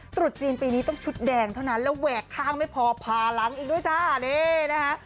ตรุษจีนปีนี้ต้องชุดแดงเท่านั้นแล้วแหวกข้างไม่พอผ่าหลังอีกด้วยจ้านี่นะคะ